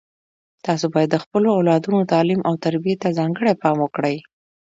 تاسو باید د خپلو اولادونو تعلیم او تربیې ته ځانګړی پام وکړئ